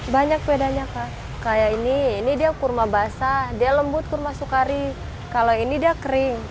banyak bedanya kak kayak ini ini dia kurma basah dia lembut kurma sukari kalau ini dia kering